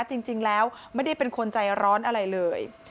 จริงแล้วไม่ได้เป็นคนใจร้อนอะไรเลย